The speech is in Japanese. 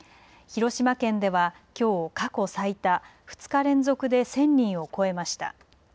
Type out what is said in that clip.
広島県では、きょう過去最多２日連続で１０００人を超えました。